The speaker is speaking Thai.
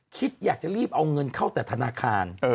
คิดอยากจะรีบเอาเงินเข้าแต่ธนาคาร